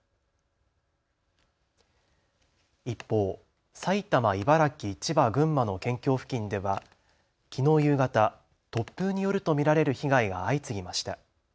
一方、埼玉、茨城、千葉、群馬の県境付近ではきのう夕方、突風によると見られる被害が相次ぎました。